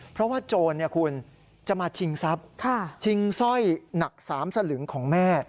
เพราะว่าโจรคุณจะมาชิงทรัพย์ชิงสร้อยหนัก๓สลึงของแม่